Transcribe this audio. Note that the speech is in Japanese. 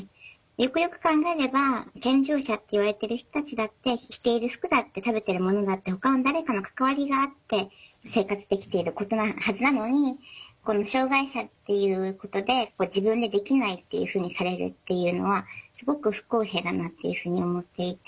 よくよく考えれば健常者っていわれてる人たちだって着ている服だって食べてるものだってほかの誰かの関わりがあって生活できているはずなのに障害者っていうことで自分でできないっていうふうにされるっていうのはすごく不公平だなっていうふうに思っていて。